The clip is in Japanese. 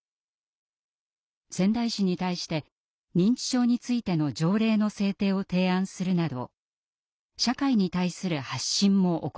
仙台市に対して認知症についての条例の制定を提案するなど社会に対する発信も行っています。